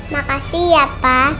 makasih ya pa